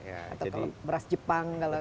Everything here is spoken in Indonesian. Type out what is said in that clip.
atau kalau beras jepang kalau kan